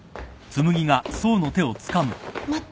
待って。